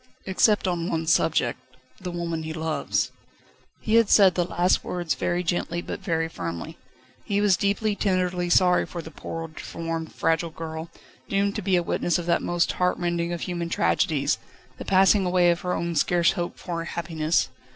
"Except on one subject the woman he loves." He had said the last words very gently but very firmly. He was deeply, tenderly sorry for the poor, deformed, fragile girl, doomed to be a witness of that most heartrending of human tragedies, the passing away of her own scarce hoped for happiness.